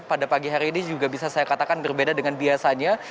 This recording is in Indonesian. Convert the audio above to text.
pada pagi hari ini juga bisa saya katakan berbeda dengan biasanya